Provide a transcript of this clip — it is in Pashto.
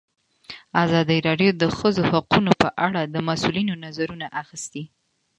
ازادي راډیو د د ښځو حقونه په اړه د مسؤلینو نظرونه اخیستي.